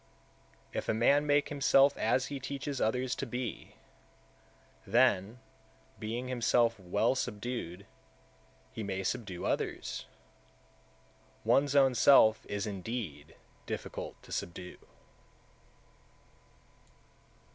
159. If a man make himself as he teaches others to be, then, being himself well subdued, he may subdue (others); one's own self is indeed difficult to subdue.